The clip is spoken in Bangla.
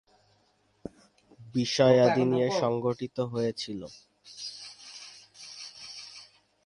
বিষয়াদি নিয়ে সংগঠিত হয়েছিল।